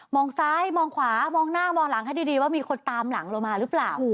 องซ้ายมองขวามองหน้ามองหลังให้ดีว่ามีคนตามหลังเรามาหรือเปล่า